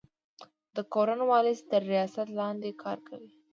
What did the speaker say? د کورن والیس تر ریاست لاندي کار کوي.